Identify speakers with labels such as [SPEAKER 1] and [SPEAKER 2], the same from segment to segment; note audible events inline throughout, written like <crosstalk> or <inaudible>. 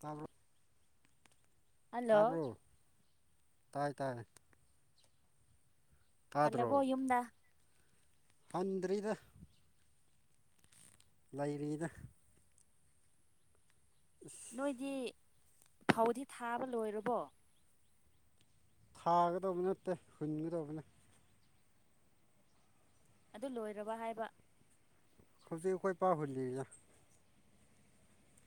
[SPEAKER 1] ꯇꯥꯕꯔꯣ
[SPEAKER 2] ꯍꯜꯂꯣ
[SPEAKER 1] ꯇꯥꯄ꯭ꯔꯣ ꯇꯥꯏ ꯇꯥꯏ
[SPEAKER 2] ꯍꯜꯂꯕꯣ
[SPEAKER 1] ꯇꯥꯗ꯭ꯔꯣ
[SPEAKER 2] ꯌꯨꯝꯗ
[SPEAKER 1] ꯍꯟꯗ꯭ꯔꯤꯗ ꯂꯩꯔꯤꯗ <inaudible>
[SPEAKER 2] ꯅꯣꯏꯗꯤ ꯐꯥꯎꯗꯤ ꯊꯥꯕ ꯂꯣꯏꯔꯕꯣ?
[SPEAKER 1] ꯊꯥꯒꯗꯧꯕ ꯅꯠꯇꯦ ꯍꯨꯟꯒꯗꯧꯕꯅꯤ꯫
[SPEAKER 2] ꯑꯗꯨ ꯂꯣꯏꯔꯕ ꯍꯥꯏꯕ
[SPEAKER 1] ꯍꯧꯖꯤꯛ ꯑꯩꯈꯣꯏ ꯄꯥꯍꯨꯜꯂꯤ꯫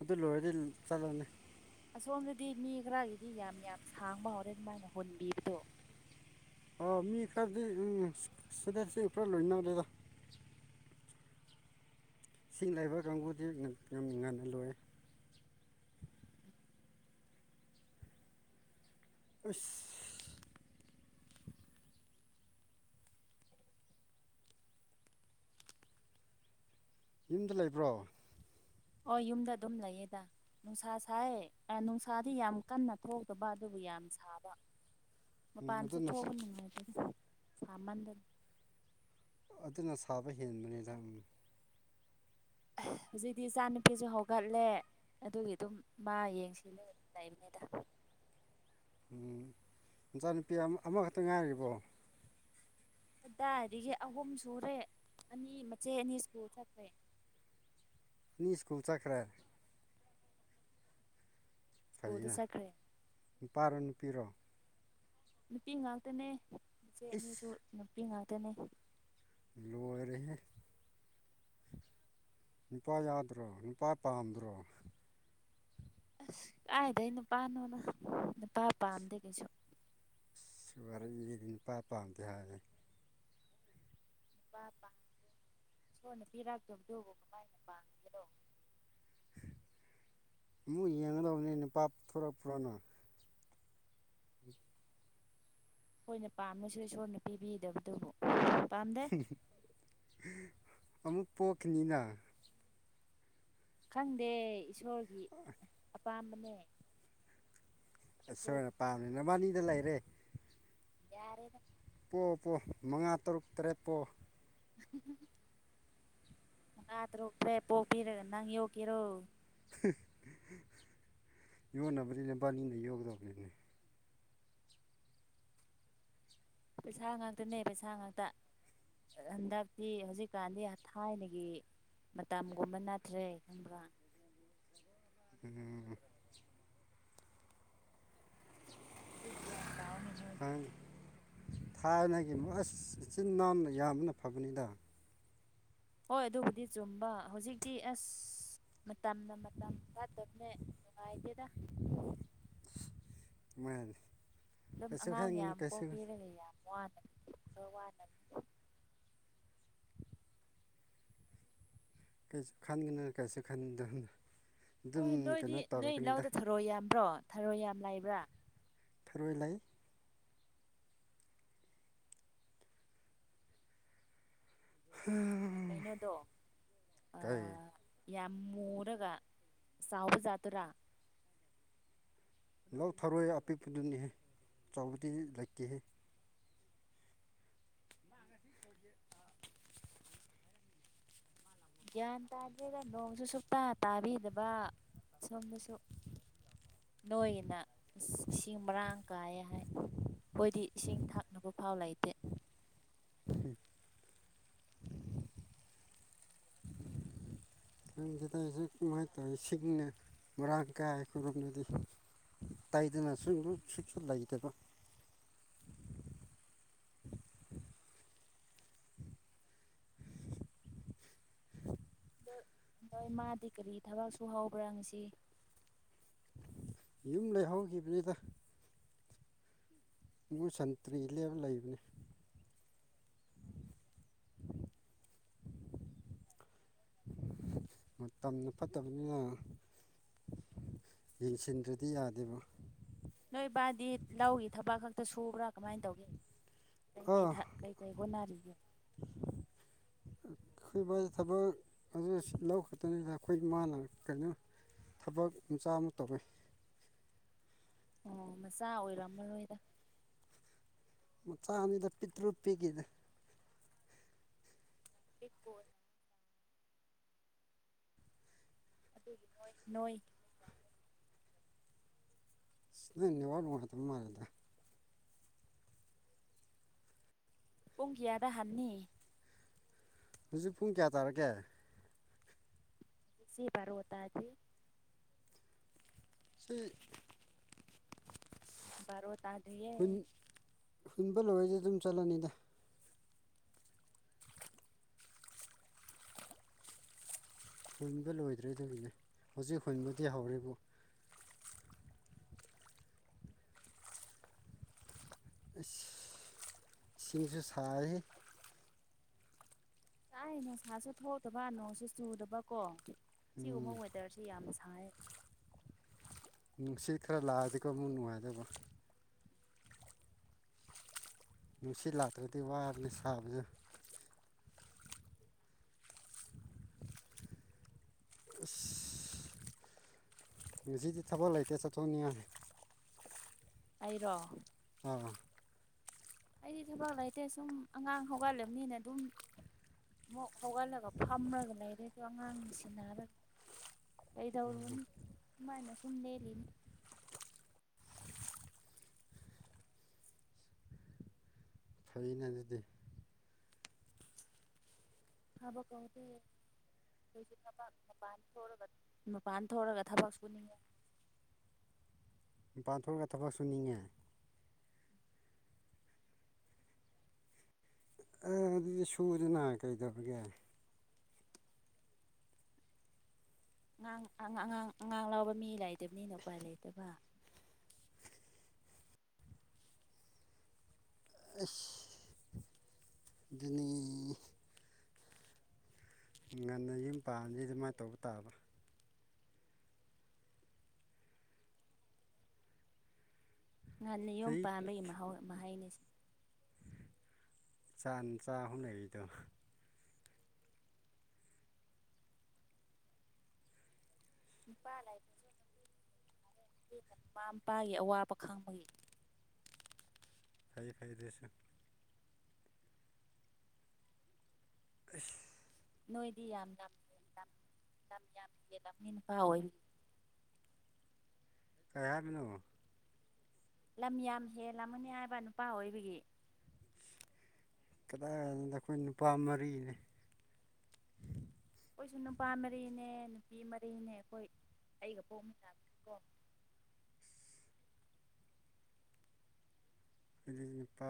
[SPEAKER 1] ꯑꯗꯨ ꯂꯣꯏꯔꯗꯤ ꯆꯠꯂꯅꯤ꯫
[SPEAKER 2] ꯑꯁꯣꯝꯗꯗꯤ ꯃꯤ ꯈꯔꯒꯤꯗꯤ ꯌꯥꯝ ꯌꯥꯝ ꯁꯥꯡꯕ ꯍꯧꯔꯦ ꯑꯗꯨꯃꯥꯏꯅ ꯍꯨꯟꯕꯤꯕꯗꯣ
[SPEAKER 1] ꯑ ꯃꯤ ꯈꯔꯗꯤ ꯎꯝ ꯁꯤꯗꯁꯤ ꯄꯨꯔꯥ ꯂꯣꯏꯅꯕꯔꯦꯗ ꯏꯁꯤꯡ ꯂꯩꯕ ꯀꯥꯡꯕꯨꯗꯤ ꯌꯥꯝ ꯉꯟꯅ ꯂꯣꯏ ꯑꯁ ꯌꯨꯝꯗ ꯂꯩꯕ꯭ꯔꯣ?
[SPEAKER 2] ꯍꯣ ꯌꯨꯝꯗ ꯑꯗꯨꯝ ꯂꯩꯌꯦꯗ ꯅꯨꯡꯁꯥ ꯁꯥꯏ ꯅꯨꯡꯁꯥꯗꯤ ꯌꯥꯝ ꯀꯟꯅ ꯊꯣꯛꯇꯕ ꯑꯗꯨꯕꯨ ꯌꯥꯝ ꯁꯥꯕ
[SPEAKER 1] ꯎꯝ
[SPEAKER 2] ꯃꯄꯥꯟ ꯆꯦ
[SPEAKER 1] ꯑꯗꯨꯅ
[SPEAKER 2] ꯊꯣꯛꯕ ꯅꯨꯡꯉꯥꯏꯇꯦꯅ ꯁꯥꯃꯟꯗꯅ
[SPEAKER 1] ꯑꯗꯨꯅ ꯁꯥꯕ ꯍꯦꯟꯕꯅꯤꯗ
[SPEAKER 2] ꯍꯧꯖꯤꯛꯇꯤ ꯏꯆꯥ ꯅꯨꯨꯄꯤꯁꯨ ꯍꯧꯒꯠꯂꯦ ꯑꯗꯨꯒꯤ ꯑꯗꯨꯝ ꯃꯥ ꯌꯦꯡꯁꯤꯂꯦ꯫ ꯂꯩꯃꯦꯗ
[SPEAKER 1] ꯃꯆꯥꯅꯨꯄꯤ ꯑꯃ ꯑꯃꯈꯛꯇ ꯉꯥꯏꯔꯤꯕꯣ?
[SPEAKER 2] ꯑꯗꯨꯗꯥꯏꯗꯒꯤ ꯑꯍꯨꯝ ꯁꯨꯔꯦ ꯑꯅꯤ ꯃꯆꯦ ꯑꯅꯤ ꯁ꯭ꯀꯨꯜ ꯆꯠꯈ꯭ꯔꯦ꯫
[SPEAKER 1] ꯃꯤ ꯁ꯭ꯀꯨꯜ ꯆꯠꯈꯔꯦ ꯫
[SPEAKER 2] ꯁ꯭ꯀꯨꯜꯗ
[SPEAKER 1] ꯐꯖꯤꯅ
[SPEAKER 2] ꯆꯠꯈ꯭ꯔꯦ
[SPEAKER 1] ꯅꯨꯄꯥꯔꯣ ꯅꯨꯄꯤꯔꯣ?
[SPEAKER 2] ꯅꯨꯄꯤ ꯉꯥꯛꯇꯅꯦ ꯏꯆꯦ
[SPEAKER 1] ꯏꯁ
[SPEAKER 2] ꯑꯅꯤꯁꯨ ꯅꯨꯄꯤ ꯉꯥꯛꯇꯅꯦ꯫
[SPEAKER 1] ꯂꯣꯏꯔꯦꯍꯦ꯫ ꯅꯨꯄꯥ ꯌꯥꯎꯗꯔꯣ ꯅꯨꯄꯥ ꯄꯥꯝꯗ꯭ꯔꯣ?
[SPEAKER 2] ꯑꯁ ꯀꯥꯏꯗꯒꯤ ꯅꯨꯄꯥꯅꯣꯅꯗ ꯅꯨꯄꯥ ꯄꯥꯝꯗꯦ ꯀꯩꯁꯨ
[SPEAKER 1] ꯁꯤ ꯋꯥꯔ ꯏꯗꯤ ꯅꯨꯄꯥ ꯄꯥꯝꯗꯦ ꯍꯥꯏꯦ꯫
[SPEAKER 2] <unintelligible> ꯄ ꯃꯣꯏꯅ ꯄꯤꯔꯛꯇꯕꯗꯨꯕꯨ ꯫
[SPEAKER 1] ꯑꯃꯨꯛ ꯌꯦꯡꯒꯗꯕꯅꯤ ꯅꯨ ꯊꯣꯔꯛꯄꯔꯥꯅ꯫ ꯎꯝ꯫
[SPEAKER 2] ꯑꯩꯈꯣꯏꯅ ꯄꯥꯝꯅꯁꯨ ꯏꯁꯣꯔꯅ ꯄꯤꯕꯤꯗꯕꯗꯨꯕꯨ꯫ ꯄꯥꯝꯗꯦ꯫
[SPEAKER 1] ꯑꯃꯨꯛ ꯄꯣꯛꯈꯤꯅꯤꯅ꯫
[SPEAKER 2] ꯈꯪꯗꯦ ꯏꯁꯣꯔꯒꯤ ꯑꯄꯥꯝꯕꯅꯦ꯫
[SPEAKER 1] ꯑꯁꯁꯣꯔ
[SPEAKER 2] ꯏꯁꯣꯔꯒꯤ
[SPEAKER 1] ꯑꯄꯥꯝꯕꯥꯅꯤ ꯅꯕꯟꯅꯤꯗ ꯂꯩꯔꯦ꯫
[SPEAKER 2] ꯌꯥꯔꯦꯗ꯫
[SPEAKER 1] ꯄꯣꯛ ꯄꯣ ꯃꯉꯥ ꯇꯔꯨꯛ ꯇꯔꯦꯠ ꯄꯣꯛꯑꯣ꯫
[SPEAKER 2] ꯎꯝ꯫ ꯃꯥꯉꯤ ꯇ꯭ꯔꯣꯛ ꯇ꯭ꯔꯦꯠ ꯄꯣꯛꯄꯤꯔꯒ ꯅꯪ ꯌꯣꯛꯀꯦꯔꯣ꯫
[SPEAKER 1] ꯌꯣꯟꯅꯕꯗꯤ ꯅꯕꯥꯅꯤꯅ ꯌꯣꯡꯒꯗꯧꯕꯅꯤꯅꯦ꯫
[SPEAKER 2] ꯄꯩꯁꯥ ꯉꯥꯛꯇꯅꯦ ꯄꯩꯁꯥ ꯉꯥꯛꯇ꯫ ꯍꯟꯗꯛꯇꯤ ꯍꯧꯖꯤꯛꯀꯥꯟꯗꯤ ꯊꯥꯏꯅꯒꯤ꯫ ꯃꯇꯝꯒꯨꯝꯕ ꯅꯅꯥꯠꯇ꯭ꯔꯦ ꯈꯪꯕ꯭ꯔꯥ꯫
[SPEAKER 1] ꯎꯝ꯫
[SPEAKER 2] ꯒꯌꯥꯟ ꯇꯣ ꯃꯦ ꯅꯣꯏ꯫
[SPEAKER 1] ꯊꯥꯏꯅꯒꯤ ꯑꯁ ꯏꯆꯤꯟ ꯅꯥꯎꯅ ꯌꯥꯝꯕꯅ ꯐꯕꯅꯤꯗ꯫
[SPEAKER 2] ꯍꯣꯏ ꯑꯗꯨꯕꯨꯗꯤ ꯆꯨꯝꯕ ꯍꯧꯖꯤꯛꯇꯤ ꯑꯁ ꯃꯇꯝꯅ ꯃꯇꯝ ꯐꯠꯇꯕꯅꯦ꯫ ꯉꯥꯏ ꯗꯦ ꯗ꯫
[SPEAKER 1] <unintelligible> <unintelligible>
[SPEAKER 2] ꯑꯗꯨꯝ
[SPEAKER 1] ꯀꯩꯁꯨ
[SPEAKER 2] ꯑꯉꯥꯡ
[SPEAKER 1] ꯈꯟꯒꯅꯨ
[SPEAKER 2] ꯌꯥꯝ
[SPEAKER 1] ꯀꯩꯁꯨ
[SPEAKER 2] ꯄꯣꯛꯄꯤꯔꯒ ꯌꯥꯝ ꯋꯥꯅ ꯈꯔ ꯋꯥꯅꯃꯤ꯫
[SPEAKER 1] ꯀꯩꯁꯨ ꯈꯟꯒꯅ ꯀꯩꯁꯨ ꯈꯟꯗꯅ ꯑꯗꯨꯝ ꯀꯩꯅꯣ ꯇꯧꯔꯛꯀꯅꯤꯗ꯫
[SPEAKER 2] ꯊꯔꯣ ꯌꯥꯝꯕ꯭ꯔꯣ ꯊꯔꯣ ꯌꯥꯝ ꯂꯩꯕ꯭ꯔꯥ꯫
[SPEAKER 1] ꯊꯔꯣꯏ ꯂꯩ꯫
[SPEAKER 2] ꯀꯩꯅꯣꯗꯣ ꯑ꯫
[SPEAKER 1] ꯀꯩ
[SPEAKER 2] ꯌꯥꯝ ꯃꯨꯔꯒ ꯆꯥꯎꯕ ꯖꯥꯇꯨꯔꯥ꯫
[SPEAKER 1] ꯂꯧ ꯊꯔꯣꯏ ꯑꯄꯤꯛꯄꯗꯨꯅꯤ ꯑꯆꯥꯎꯕꯗꯤ ꯂꯩꯇꯦꯍꯦ꯫
[SPEAKER 2] ꯒ꯭ꯌꯥꯟ ꯇꯥꯗ꯭ꯔꯦꯒ ꯅꯣꯡꯁꯨ ꯁꯨꯛꯇ ꯇꯥꯕꯤꯗꯕ ꯁꯣꯝꯗꯁꯨ꯫ ꯅꯣꯏꯅ ꯏꯁꯤꯡ ꯃꯔꯥꯡ ꯀꯥꯏꯌꯦ ꯍꯥꯏ꯫ ꯑꯩ ꯈꯣꯏ ꯗ ꯏꯁꯤꯡ ꯊꯥꯛꯅꯕ ꯐꯥꯎ ꯂꯩꯇꯦ꯫
[SPEAKER 1] ꯑꯗꯨ ꯁꯤꯗ ꯑꯩꯁꯨ ꯀꯃꯥꯏꯅ ꯇꯧꯋꯤ ꯁꯤꯡꯅ ꯃꯔꯥꯡ ꯀꯥꯏ ꯑꯩ ꯈꯣꯏ ꯔꯣꯝꯗꯗꯤ꯫ ꯑꯇꯥꯏꯗꯅꯁꯨ ꯁꯁꯨꯠ ꯂꯩꯇꯦꯕ꯫
[SPEAKER 2] ꯅꯣꯏ ꯃꯥꯗꯤ ꯀꯔꯤ ꯊꯕꯛꯁꯨ ꯍꯧꯕ꯭ꯔꯥ ꯉꯁꯤ꯫
[SPEAKER 1] ꯌꯨꯝ ꯂꯩꯍꯧꯈꯤꯕꯅꯤꯗ꯫ ꯏꯨ ꯁꯟꯇ꯭ꯔꯤ ꯂꯦꯕ ꯂꯩꯕꯅꯤ꯫ ꯃꯇꯝꯅ ꯐꯠꯇꯕꯅꯤꯅ꯫ ꯌꯦꯡꯁꯤꯟꯗ꯭ꯔꯗꯤ ꯌꯥꯗꯦꯕ꯫
[SPEAKER 2] ꯅꯣꯏꯕꯥꯗꯤ ꯂꯧꯒꯤ ꯊꯕꯛ ꯈꯛꯇ ꯁꯨꯕ꯭ꯔꯥ ꯀꯃꯥꯏꯅ ꯇꯧꯒꯦ꯫ ꯀꯩ ꯀꯩ
[SPEAKER 1] ꯑꯥ
[SPEAKER 2] ꯊ ꯀꯩ ꯀꯩ ꯍꯣꯠꯅꯔꯤꯒꯦ꯫
[SPEAKER 1] <unintelligible> ꯑꯩꯈꯣꯏꯕꯥ ꯊꯕꯛ ꯑꯗꯨ ꯂꯧ ꯈꯛꯇꯅꯤꯗ ꯑꯩꯈꯣꯏ ꯏ ꯃꯥꯅ ꯀꯩꯅꯣ꯫ ꯊꯕꯛ ꯃꯆꯥ ꯑꯃ ꯇꯧꯋꯤ꯫
[SPEAKER 2] ꯑꯣ ꯃꯆꯥ ꯑꯣꯏꯔꯝꯃꯔꯣꯏꯗ꯫
[SPEAKER 1] ꯃꯆꯥ ꯑꯅꯤꯗ ꯄꯤ ꯇ꯭ꯔꯨꯛ ꯄꯤꯛꯏꯗ꯫
[SPEAKER 2] ꯄꯤꯛꯄꯣ꯫ ꯅꯣꯏ ꯅꯣꯏ꯫
[SPEAKER 1] ꯅꯦ ꯋꯥ ꯃꯥ ꯃꯥꯜꯂꯦ
[SPEAKER 2] ꯄꯨꯡꯀꯤ꯭ꯌꯥ ꯗꯍꯥꯟꯅꯤ
[SPEAKER 1] ꯍꯧꯖꯤꯛ ꯄꯨꯡ ꯀꯌꯥ ꯇꯥꯔꯛꯒꯦ
[SPEAKER 2] ꯁꯤ ꯄꯔꯣ ꯇꯗꯤ
[SPEAKER 1] ꯆ
[SPEAKER 2] ꯔꯣ ꯇꯥ ꯑꯗꯨꯌꯦ
[SPEAKER 1] ꯍꯨꯟꯕ ꯂꯣꯏꯣꯏꯗꯤ ꯑꯗꯨꯝ ꯆꯠꯂꯅꯤꯗ ꯍꯨꯟꯕ ꯂꯣꯏꯗ꯭ꯔꯦꯗꯒꯤꯅꯦ ꯍꯧꯖꯤꯛ ꯍꯨꯟꯕꯗꯤ ꯍꯧꯔꯦꯕꯨ ꯁꯤꯡꯁꯨ ꯁꯔꯤ
[SPEAKER 2] ꯉꯥꯁꯥꯏ ꯅꯨꯡꯁꯥꯁꯨ ꯊꯣꯛꯇꯕ ꯅꯣꯡꯁꯨ ꯆꯨꯗꯕꯀꯣ ꯁꯤꯒꯨꯝꯕ
[SPEAKER 1] ꯎꯝ
[SPEAKER 2] ꯋꯦꯗꯔꯁꯦ ꯌꯥꯝ ꯁꯥꯏ
[SPEAKER 1] ꯅꯨꯡꯁꯤꯠ ꯈꯔ ꯂꯥꯛꯑꯗꯤꯀꯣ ꯑꯃꯨꯛ ꯅꯨꯡꯉꯥꯏꯗꯕ ꯅꯨꯡꯁꯤꯠ ꯂꯥꯛꯇ꯭ꯔꯒꯗꯤ ꯋꯥꯔꯅꯤ ꯁꯥꯕꯁꯨ ꯑ ꯉꯁꯤꯗꯤ ꯊꯕꯛ ꯂꯩꯇꯦ ꯆꯠꯊꯣꯛꯅꯤꯡꯉꯥꯏꯅꯤ
[SPEAKER 2] ꯑꯩꯔꯣ
[SPEAKER 1] ꯑꯣ
[SPEAKER 2] ꯑꯩꯗꯤ ꯊꯕꯛ ꯂꯩꯇꯦ ꯁꯨꯝ ꯑꯉꯥꯡ ꯍꯧꯒꯠꯂꯕꯅꯤꯅ ꯑꯗꯨꯝ ꯑꯃꯨꯛ ꯍꯧꯒꯠꯂꯒ ꯐꯝꯔꯥꯒ ꯂꯩꯔꯦꯗꯣ ꯑꯉꯥꯡ ꯁꯤꯟꯅꯔꯒ ꯀꯩꯗꯧꯔꯨꯅꯤ ꯁꯨꯃꯥꯏꯅ ꯁꯨꯝ ꯂꯦꯜꯂꯤꯅꯤ
[SPEAKER 1] ꯐꯩꯅꯦ ꯑꯗꯨꯗꯤ
[SPEAKER 2] ꯍꯥꯕ ꯀꯣꯇ ꯑꯩꯈꯣꯏꯁꯦ ꯊꯕꯛ ꯃꯄꯥꯟ ꯊꯣꯔꯛꯑꯒ ꯃꯄꯥꯟ ꯊꯣꯛꯔꯒ ꯊꯕꯛ ꯁꯨꯅꯤꯡꯉꯦ
[SPEAKER 1] ꯃꯄꯥꯟ ꯊꯣꯛꯂꯑꯒ ꯊꯕꯛ ꯁꯨꯅꯤꯡꯉꯦ ꯑꯦ ꯑꯗꯨꯗꯤ ꯁꯨꯗꯅ ꯀꯩꯗꯕꯒꯦ
[SPEAKER 2] ꯑꯉꯥꯡ ꯑꯉꯥꯡ ꯑꯉꯥꯡ ꯂꯥꯎꯕ ꯃꯤ ꯂꯩꯥꯏꯗꯕꯅꯤꯅ ꯎꯄꯥꯏ ꯂꯩꯇꯕ
[SPEAKER 1] ꯑꯁ ꯑꯗꯨꯅꯤ ꯉꯟꯅ ꯌꯨꯝ ꯄꯥꯗꯤ ꯑꯗꯨꯃꯥꯏꯅ ꯇꯧꯕ ꯇꯥꯕꯥ
[SPEAKER 2] ꯉꯍꯥꯟ ꯅꯤ ꯌꯣꯝ
[SPEAKER 1] ꯆꯍꯤ
[SPEAKER 2] ꯄꯥꯟꯕꯝꯕꯒꯤ ꯃꯍꯥꯎ ꯃꯍꯩꯅꯤꯁꯦ
[SPEAKER 1] ꯆ ꯆꯥ ꯍꯨꯝꯅꯔꯤꯗꯣ
[SPEAKER 2] ꯄꯥ ꯂꯩ ꯃꯃꯥ ꯃꯄꯥꯒꯤ ꯑꯋꯥꯕ ꯈꯪꯕꯒꯤ
[SPEAKER 1] ꯊꯩ ꯈꯥꯏꯗꯦꯁꯨ ꯑ
[SPEAKER 2] ꯅꯣꯏꯗꯤ ꯌꯥꯝ ꯌꯥꯝ ꯂꯝ ꯍꯦꯟꯂꯝꯅꯤ ꯅꯨꯄꯥ ꯑꯣꯏꯕꯅꯤꯅꯥ
[SPEAKER 1] ꯀꯩꯍ ꯍꯥꯏꯕꯅꯣ
[SPEAKER 2] ꯂꯝ ꯌꯥꯝ ꯍꯦꯜꯂꯝꯒꯅꯤ ꯍꯥꯏꯕ ꯅꯨꯄꯥ ꯑꯣꯏꯕꯒꯤ
[SPEAKER 1] ꯀꯗꯥꯏꯗ ꯑꯩꯈꯣꯏ ꯅꯨꯄꯥ ꯃꯔꯤꯅꯦ
[SPEAKER 2] ꯑꯩꯈꯣꯏꯁꯨ ꯅꯨꯄꯥ ꯃꯔꯤꯅꯦ ꯅꯨꯄꯤ ꯃꯔꯤꯅꯦ ꯑꯩꯈꯣꯏ ꯑꯩꯒ ꯄꯣꯛꯃꯤꯟꯅꯕ ꯀꯣ
[SPEAKER 1] ꯑꯩꯗꯤ ꯅꯨꯄꯥ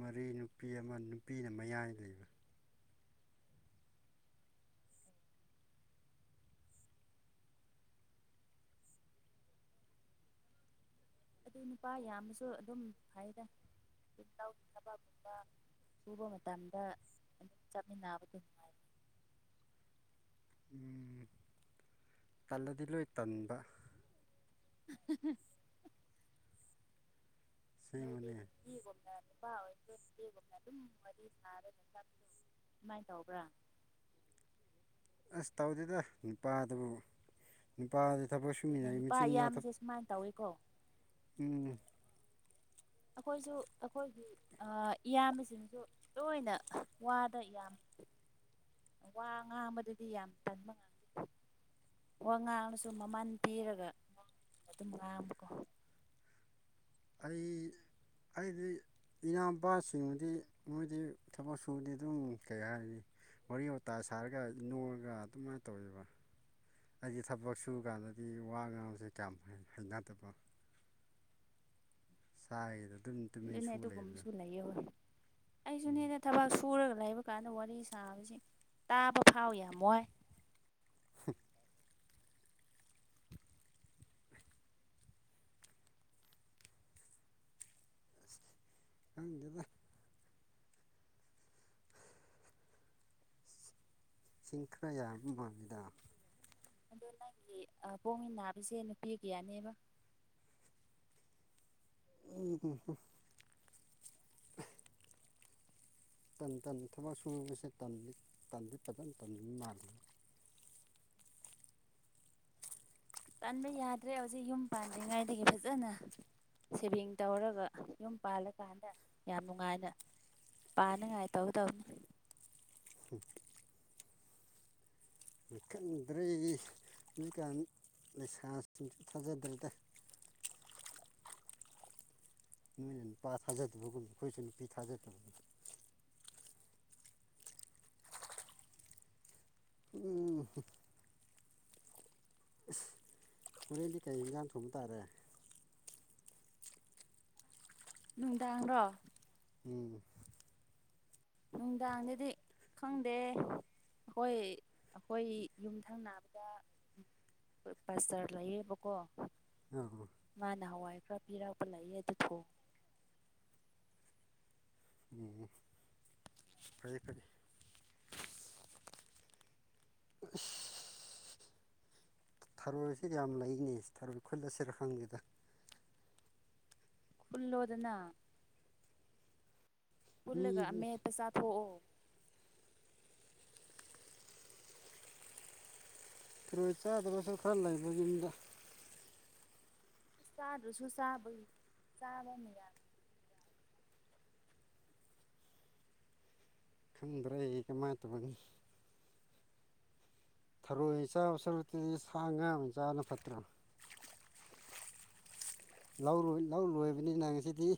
[SPEAKER 1] ꯃꯔꯤ ꯅꯨꯄꯤ ꯑꯃ ꯅꯨꯄꯤꯅ ꯃꯌꯥꯏ ꯂꯩꯕ
[SPEAKER 2] ꯑꯗꯨ ꯅꯨꯄꯥ ꯌꯥꯝꯃꯁꯨ ꯑꯗꯨꯝ ꯐꯩꯌꯦꯗ ꯂꯧꯒꯤ ꯊꯕꯛꯇ ꯁꯨꯕ ꯃꯇꯝꯗ ꯆꯠꯃꯤꯟꯅꯕꯗꯣ ꯅꯨꯡꯉꯥꯏ
[SPEAKER 1] ꯎ ꯇꯜꯂꯗꯤ ꯂꯣꯏ ꯇꯟꯕ ꯑꯁꯦꯡꯕꯅꯦ
[SPEAKER 2] ꯅꯣꯏꯗ ꯑꯗꯨꯝ ꯋꯥꯔꯤ ꯁꯥꯔꯒ ꯁꯃꯥꯏꯅ ꯇꯧꯕ꯭ꯔꯥ
[SPEAKER 1] ꯑꯁ ꯇꯧꯗꯦꯗ ꯅꯨꯄꯥꯗꯕꯨ ꯅꯨꯄꯥꯗꯤ ꯊꯕꯛ ꯁꯨꯃꯤꯟꯅꯔꯤ ꯃꯆꯤꯟ ꯃꯅꯥꯎ
[SPEAKER 2] ꯁꯃꯥꯏꯅ ꯇꯧꯋꯤꯀꯣ
[SPEAKER 1] ꯎꯝ
[SPEAKER 2] ꯑꯩꯈꯣꯏꯁꯨ ꯑꯩꯈꯣꯏꯒꯤ ꯏꯌꯥꯝꯕꯁꯤꯡꯁꯨ ꯂꯣꯏꯅ ꯋꯥꯗꯣ ꯌꯥꯝꯕ ꯋꯥ ꯉꯥꯡꯕꯥꯗꯗꯤ ꯌꯥꯝ ꯇꯟꯕ ꯋꯥ ꯉꯥꯡꯕꯥꯁꯨ ꯃꯃꯜ ꯄꯤꯔꯒ ꯋꯥ ꯑꯗꯨꯝ ꯉꯥꯡꯕꯀꯣ
[SPEAKER 1] ꯑꯩ ꯑꯩꯗꯤ ꯏꯅꯥꯎꯄꯥꯁꯤꯡꯕꯨꯗꯤ ꯃꯣꯏꯗꯤ ꯊꯕꯛ ꯁꯨꯕꯗꯤ ꯑꯗꯨꯝ ꯀꯩ ꯍꯥꯏꯅꯤ ꯋꯥꯔꯤ ꯋꯥꯇꯥꯏ ꯁꯥꯔꯒ ꯅꯣꯛꯑꯒ ꯑꯗꯨꯃꯥꯏꯅ ꯇꯧꯋꯦꯕ ꯑꯩꯗꯤ ꯊꯕꯛ ꯁꯨ ꯀꯥꯟꯗꯗꯤ ꯋꯥ ꯉꯥꯡꯕꯥ ꯁꯦ ꯀꯌꯥꯝ ꯍꯩꯅꯗꯕ ꯆꯥꯗ ꯑꯗꯨꯝ <inaudible>
[SPEAKER 2] ꯑꯗꯨꯅꯦ
[SPEAKER 1] ꯂꯩꯕꯗꯣ
[SPEAKER 2] ꯑꯗꯨꯒꯨꯝꯕꯥꯁꯨ ꯂꯩꯌꯦ ꯍꯣꯏ ꯑꯩꯁꯨꯅꯦꯗ ꯊꯕꯛ ꯁꯨꯔꯒ ꯂꯩꯕ ꯑꯗꯨ ꯀꯥꯟꯗ ꯋꯥꯔꯤ ꯁꯥꯕꯁꯤ ꯇꯥꯕ ꯐꯥꯎ ꯌꯥꯝ ꯋꯥꯏ
[SPEAKER 1] <inaudible> ꯈꯪꯗꯦꯗ ꯏꯁꯤꯡꯈꯔ ꯌꯥ ꯃꯕꯤꯗ <inaudible>
[SPEAKER 2] ꯑꯗꯣ ꯅꯪꯒꯤ ꯑꯥ ꯄꯣꯛꯃꯤꯟ ꯅꯥꯕꯁꯦ ꯅꯨꯄꯤꯀꯥꯌꯥꯅꯦꯕ
[SPEAKER 1] ꯎꯝ ꯎꯝ ꯇꯟ ꯇꯟ ꯊꯕꯛ ꯁꯨꯕꯁꯦꯗꯤ ꯇꯟꯗꯤ ꯐꯖꯅ ꯇꯟꯅꯤꯡꯕ ꯃꯥꯜꯂꯤ
[SPEAKER 2] ꯇꯟꯕ ꯌꯥꯗ꯭ꯔꯦ ꯍꯧꯖꯤꯛ ꯌꯨꯝ ꯄꯥꯟꯗ꯭ꯔꯤꯉꯩꯗꯒꯤ ꯐꯖꯅ ꯁꯦꯚꯤꯡ ꯇꯧꯔꯒ ꯌꯨꯝ ꯄꯥꯜꯂꯀꯥꯟꯗ ꯌꯥꯝ ꯅꯨꯡꯉꯥꯏꯅ ꯄꯥꯅ ꯉꯥꯏ ꯇꯧ ꯇꯧꯅꯤ
[SPEAKER 1] ꯎ <inaudible> ꯈꯡꯗ꯭ꯔꯦ ꯍꯧꯖꯤꯡꯀꯥꯟ ꯂꯩꯁꯥꯁꯤꯡꯁꯨ ꯊꯥꯖꯗ꯭ꯔꯦꯗ ꯅꯣꯏꯅ ꯅꯨꯄꯥ ꯊꯥꯖꯗꯕꯒꯨꯝꯕ ꯑꯩꯈꯣꯏꯁꯨ ꯅꯨꯄꯤ ꯊꯥꯖꯗꯕꯅꯤ ꯎꯝ ꯍꯣꯔꯦꯟꯇꯤ ꯀꯩ ꯌꯦꯟꯁꯥꯡ ꯊꯣꯡꯕ ꯇꯥꯔꯦ
[SPEAKER 2] ꯅꯨꯡꯗꯥꯡꯔꯣ
[SPEAKER 1] ꯎꯝ
[SPEAKER 2] ꯅꯨꯡꯗꯥꯡꯗꯗꯤ ꯈꯪꯗꯦ ꯈꯣꯏ ꯑꯩꯈꯣꯏ ꯌꯨꯝꯊꯪꯅꯕꯗ ꯄꯁꯇꯔ ꯂꯩꯌꯦꯕꯀꯣ
[SPEAKER 1] ꯑ
[SPEAKER 2] ꯏꯃꯥꯅ ꯍꯋꯥꯏ ꯈꯔ ꯄꯤꯔꯛꯄ ꯂꯩꯌꯦ ꯑꯗꯨ ꯊꯣꯡ
[SPEAKER 1] ꯎꯝ ꯐꯩ ꯐꯩ ꯢꯁ ꯊꯔꯣꯏꯁꯤ ꯌꯥꯝ ꯂꯩꯅꯤ ꯊꯥꯔꯣꯏ ꯈꯨꯠꯂꯁꯤꯔ ꯍꯪꯗꯦꯗ
[SPEAKER 2] ꯈꯨꯜꯂꯣ ꯗꯅ
[SPEAKER 1] ꯃꯤ
[SPEAKER 2] ꯈꯨꯜꯂꯒ ꯑꯃꯦꯠꯕ ꯆꯥꯊꯣꯛꯑꯣ
[SPEAKER 1] ꯊꯔꯣꯏ ꯆꯥꯗꯕꯁꯨ ꯈꯔ ꯂꯩꯕ ꯌꯨꯝꯗ
[SPEAKER 2] ꯁꯤ ꯆ ꯗꯨꯁꯨ ꯆ ꯩ ꯆꯥ ꯂꯣꯉꯌꯥ <inaudible>
[SPEAKER 1] ꯈꯪꯗ꯭ꯔꯦ ꯑꯩ ꯀꯩꯃꯥꯏꯇꯧꯕꯅꯣ ꯊꯔꯣꯏ ꯆꯥꯕ ꯁꯔꯨꯛꯄꯨꯗꯤ ꯁꯥ ꯉꯥ ꯆꯥꯕꯅ ꯐꯠꯇ꯭ꯔꯣ ꯂꯧ ꯂꯣꯏ ꯂꯧ ꯂꯣꯏꯕꯅꯤꯅ ꯉꯁꯤꯗꯤ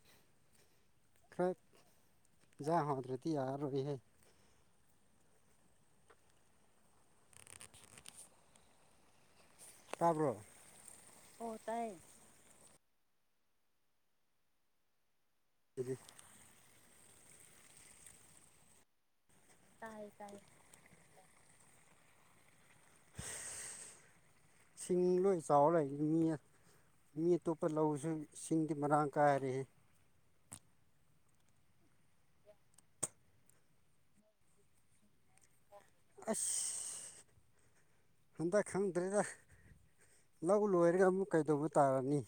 [SPEAKER 1] ꯈꯔ ꯍꯤꯟꯖꯥꯡ ꯍꯧꯗ꯭ꯔꯗꯤ ꯌꯥꯔꯔꯣꯏ ꯇꯥꯕ꯭ꯔꯣ
[SPEAKER 2] ꯑꯣꯏ ꯇꯥꯏ
[SPEAKER 1] ꯑꯗꯨꯗꯤ
[SPEAKER 2] ꯇꯥꯏꯌꯦ ꯇꯥꯏꯌꯦ
[SPEAKER 1] ꯏꯁꯤꯡ ꯂꯣꯏ ꯆꯥꯎ ꯂꯩꯏ ꯃꯤ ꯃꯤ ꯑꯇꯣꯞꯄ ꯂꯧꯁꯨ ꯏꯁꯤꯡꯗꯤ ꯃꯔꯥꯡ ꯀꯥꯏꯔꯦ
[SPEAKER 2] ꯑ
[SPEAKER 1] <inaudible> ꯍꯟꯗꯛ ꯈꯪꯗ꯭ꯔꯦꯗ ꯂꯧ ꯂꯣꯏꯔꯒ ꯑꯃꯨꯛ ꯀꯩꯗꯧꯕ ꯇꯥꯔꯅꯤ